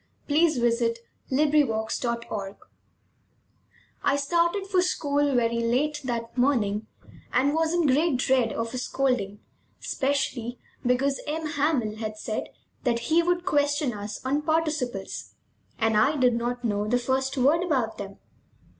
THE LAST LESSON BY ALPHONSE DAUDET I started for school very late that morning and was in great dread of a scolding, especially because M. Hamel had said that he would question us on participles, and I did not know the first word about them.